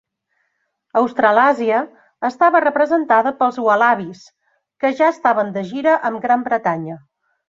Australàsia estava representada pels Ualabis, que ja estaven de gira amb Gran Bretanya.